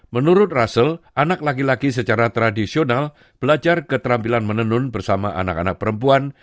menurut rassel anak laki laki secara tradisional belajar keterampilan menenun bersama anak anak perempuan